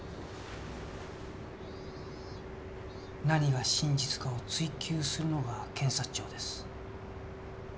何が真実かを追及するのが検察庁です。